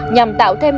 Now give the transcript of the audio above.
nhằm tạo ra một bộ phim